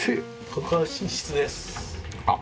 ここは寝室です。